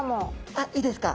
あっいいですか？